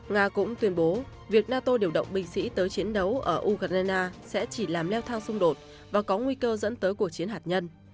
nga cũng tuyên bố việc nato điều động binh sĩ tới chiến đấu ở ukraine sẽ chỉ làm leo thang xung đột và có nguy cơ dẫn tới cuộc chiến hạt nhân